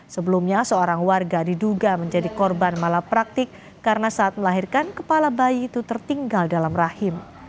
sebelumnya seorang warga diduga menjadi korban malah praktik karena saat melahirkan kepala bayi itu tertinggal dalam rahim